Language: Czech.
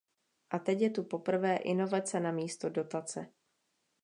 A teď je tu poprvé inovace namísto dotace!